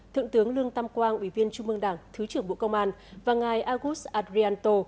thượng tướng lương tam quang ủy viên trung mương đảng thứ trưởng bộ công an và ngài agus adrianto